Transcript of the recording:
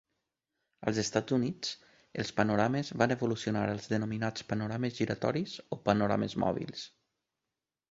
Als Estats Units, els panorames van evolucionar als denominats panorames giratoris o panorames mòbils.